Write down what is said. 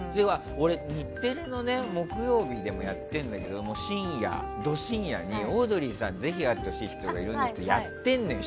俺、日テレの木曜日でもやってんだけどド深夜にオードリーさんにぜひやってほしいってやってんだよ